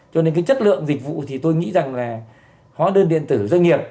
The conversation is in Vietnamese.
cho nên cái chất lượng dịch vụ thì tôi nghĩ rằng là hóa đơn điện tử doanh nghiệp